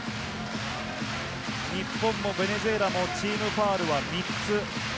日本もベネズエラもチームファウルは３つ。